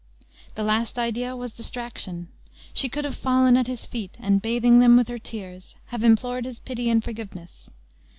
The last idea was distraction. She could have fallen at his feet, and bathing them with her tears, have implored his pity and forgiveness.